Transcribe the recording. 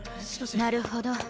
なるほど。